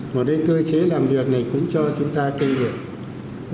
một cái cơ chế làm việc này cũng cho chúng ta kinh nghiệm